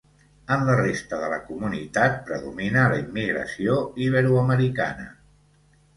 En la resta de la comunitat predomina la immigració iberoamericana.